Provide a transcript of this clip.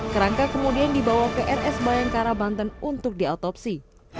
kerangka kemudian dibawa ke rs bayangkara banten untuk diautopsi